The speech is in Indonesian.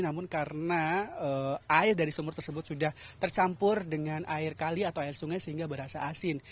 namun karena air dari sumur tersebut sudah tercampur dengan air kali atau air sungai sehingga berasa asin